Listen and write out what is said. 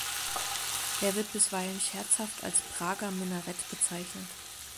Er wird bisweilen scherzhaft als „Prager Minarett“ bezeichnet.